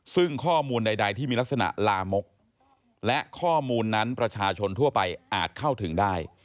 ซึ่งข้อมูลใดที่มีลักษณะลามกและข้อมูลนั้นประชาชนทั่วไปอาจเข้าถึงได้